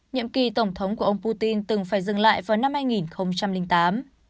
nhiệm kỳ tổng thống của ông putin từng phải dừng lại vào năm hai nghìn tám